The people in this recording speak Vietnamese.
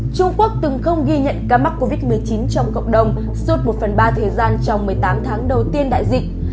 trung quốc từng không ghi nhận ca mắc covid một mươi chín trong cộng đồng suốt một phần ba thời gian trong một mươi tám tháng đầu tiên đại dịch